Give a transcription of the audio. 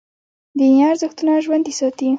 دیني ارزښتونه ژوندي ساتي.